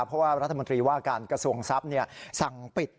เพราะว่ารัฐมนตรีว่าการกระทรวงทรัพย์สั่งปิด